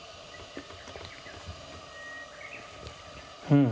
うん。